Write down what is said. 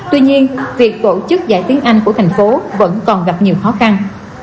tuy nhiên việc tổ chức dạy tiếng anh của thành phố vẫn còn gặp nhiều khó khăn